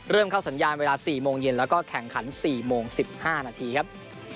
เริ่มเข้าสัญญาณเวลา๔โมงเย็นแล้วก็แข่งขัน๔โมง๑๕นาทีครับ